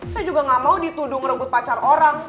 saya juga gak mau dituduh ngerebut pacar orang